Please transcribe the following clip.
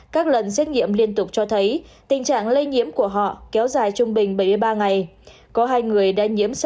các lần xét nghiệm liên tục cho thấy tình trạng lây nhiễm của họ kéo dài trung bình bảy mươi ba ngày